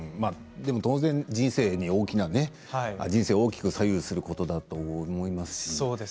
でも当然、人生に大きな人生を大きく左右することだと思いますし。